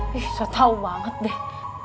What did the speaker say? wih gue tau banget deh